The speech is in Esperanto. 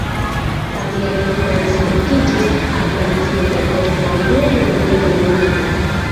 Samjare li translokiĝis al Francio kaj post la Unua Mondmilito al Monako.